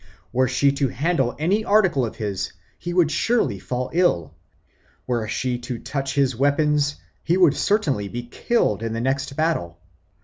Were she to handle any article of his, he would surely fall ill; were she to touch his weapons, he would certainly be killed in the next battle.